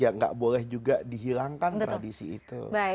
yang tidak boleh dihilangkan tradisi itu